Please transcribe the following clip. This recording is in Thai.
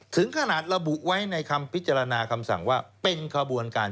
ถึงขนาดระบุไว้ในคำพิจารณาคำสั่งว่าเป็นขบวนการ